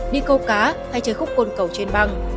đi câu cá hay chơi khúc côn cầu trên băng